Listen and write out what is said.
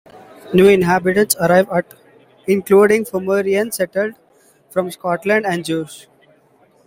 New inhabitants arrived, including Pomeranians, settlers from Scotland, and Jews.